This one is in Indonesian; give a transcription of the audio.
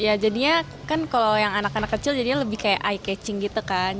ya jadinya kan kalau yang anak anak kecil jadinya lebih kayak eye catching gitu kan